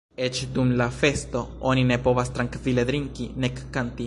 Eĉ dum la festo oni ne povas trankvile drinki, nek kanti.